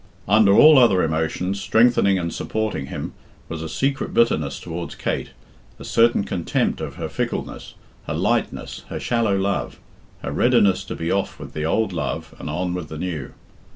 Under all other emotions, strengthening and supporting him, was a secret bitterness towards Kate a certain contempt of her fickleness, her lightness, her shallow love, her readiness to be off with the old love and on with the new.